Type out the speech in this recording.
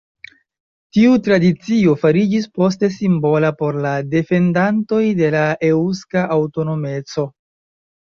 Tiu tradicio fariĝis poste simbola por la defendantoj de la eŭska aŭtonomeco.